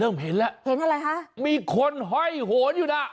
เริ่มเห็นแล้วมีคนห่อยหนอยู่น่ะค่ะ